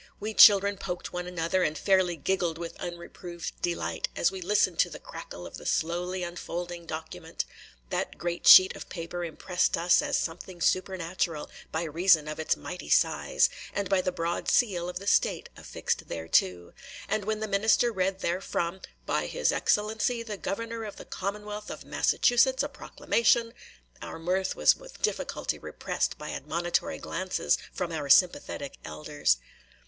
We children poked one another, and fairly giggled with unreproved delight as we listened to the crackle of the slowly unfolding document. That great sheet of paper impressed us as something supernatural, by reason of its mighty size, and by the broad seal of the State affixed thereto; and when the minister read therefrom, "By his Excellency, the Governor of the Commonwealth of Massachusetts, a Proclamation," our mirth was with difficulty repressed by admonitory glances from our sympathetic elders.